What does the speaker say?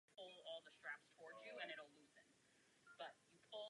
Vezmou si průvodce a hledají chrám.